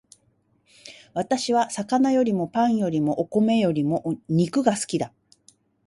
私は魚よりもパンよりもお米よりも肉が好きだ